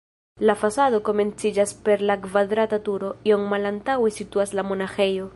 La fasado komenciĝas per la kvadrata turo, iom malantaŭe situas la monaĥejo.